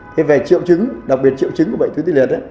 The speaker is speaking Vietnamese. thế về triệu chứng đặc biệt triệu chứng của bệnh tuyến tiến liệt